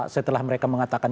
setelah mereka mengatakan